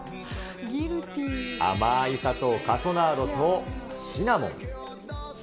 甘ーい砂糖、カソナードとシナモン。